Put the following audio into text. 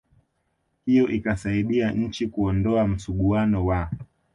hiyo ikasaidia nchi kuondoa msuguano wa